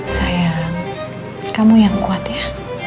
sayang kamu yang kuat ya